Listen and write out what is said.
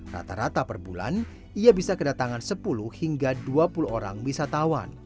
rata rata per bulan ia bisa kedatangan sepuluh hingga dua puluh orang wisatawan